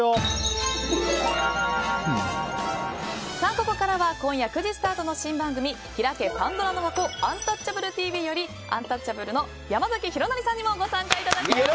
ここからは今夜９時スタートの新番組「ひらけ！パンドラの箱アンタッチャブるＴＶ」よりアンタッチャブルの山崎弘也さんにもご参加いただきます。